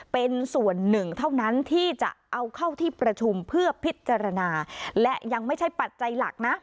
เป็นส่วนหนึ่งเท่านั้นที่จะเอาเข้าที่ประชุมเพื่อพิจารณาและยังไม่ใช่ปัจจัยหลักนะ